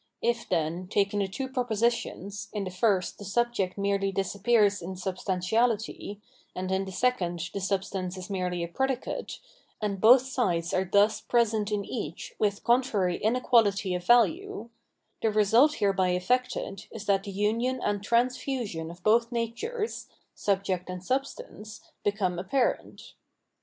If, then, taking the two propositions, in the first the subject merely disappears in substantiality, and in the second the substance is merely a predicate, and both sides are thus present in each with contrary inequality of value — the result hereby efiected is that the union and transfusion of both natures [subject and sub stance] become apparent.